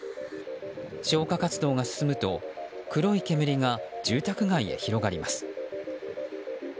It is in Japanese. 消火活動が進むと黒い煙が住宅街へ広がります。